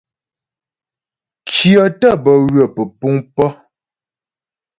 Kyə̀ tə́ bə ywə pə́puŋ pə̀.